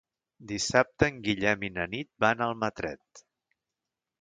Dissabte en Guillem i na Nit van a Almatret.